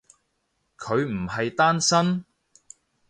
佢唔係單身？